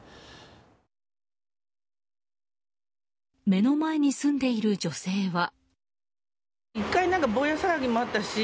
目の前に住んでいる女性は。